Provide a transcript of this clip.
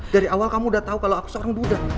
dari awal kamu udah tahu kalau aku seorang buddha